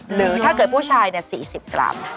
หรือถ้าเกิดผู้ชาย๔๐กรัม